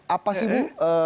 apa sih bu